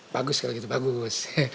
bagus kalau gitu bagus